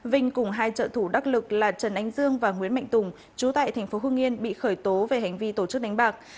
vinh cùng hai trợ thủ đắc lực là trần anh dương và nguyễn mạnh tùng chú tại thành phố hương yên bị khởi tố về hành vi tổ chức đánh bạc